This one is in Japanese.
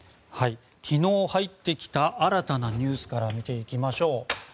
昨日、入ってきた新たなニュースから見ていきましょう。